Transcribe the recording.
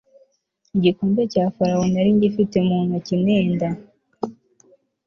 igikombe cya farawo nari ngifite mu ntoki nenda